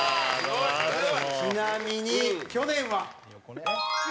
ちなみに、去年は。